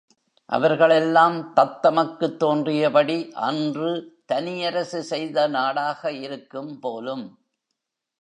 அவர்களெல்லாம் தத்தமக்குத் தோன்றியபடி அன்று தனி அரசு செய்த நாடாக இருக்கும் போலும்.